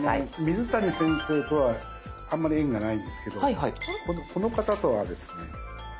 水谷先生とはあんまり縁がないんですけどこの方とはですね。